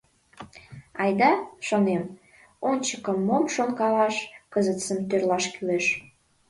Айда, шонем, ончыкым мом шонкалаш, кызытсым тӧрлаш кӱлеш...